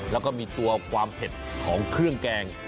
แล้วก็มีตัวความเผ็ดของเครื่องแกง